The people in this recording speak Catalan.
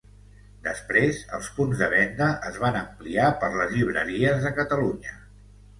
Després, els punts de venda es van ampliar per les llibreries de Catalunya.